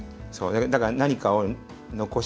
だから、何かを残したい。